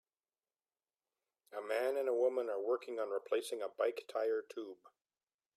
A man and woman are working on replacing a bike tire tube